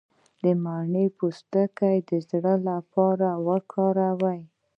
د مڼې پوستکی د زړه لپاره وکاروئ